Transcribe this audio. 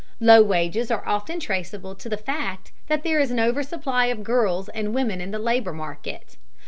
Low wages are often traceable to the fact that there is an over supply of girls and women in the labor market.